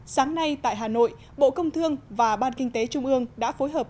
sáng nay tại hà nội bộ công thương và ban kinh tế trung ương đã phối hợp